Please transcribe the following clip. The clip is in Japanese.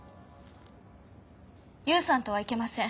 勇さんとは行けません。